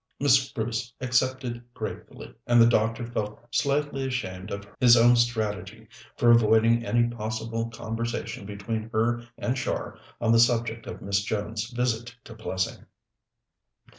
Miss Bruce accepted gratefully, and the doctor felt slightly ashamed of his own strategy for avoiding any possible conversation between her and Char on the subject of Miss Jones's visit to Plessing.